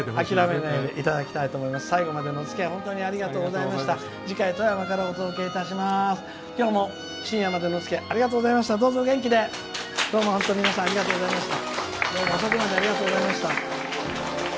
最後までおつきあい本当にありがとうございました。